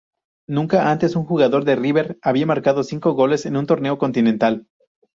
Nunca antes un jugador de River había marcado cinco goles en un torneo continental.